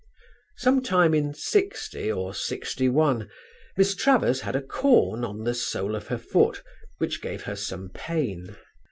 Some time in '60 or '61 Miss Travers had a corn on the sole of her foot which gave her some pain.